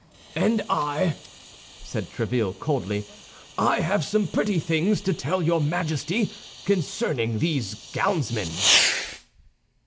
"And I," said Tréville, coldly, "I have some pretty things to tell your Majesty concerning these gownsmen."